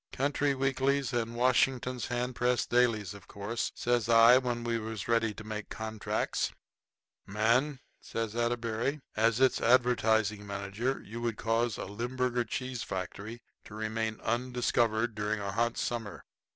"Country weeklies and Washington hand press dailies, of course," says I when we was ready to make contracts. "Man," says Atterbury, "as its advertising manager you would cause a Limburger cheese factory to remain undiscovered during a hot summer.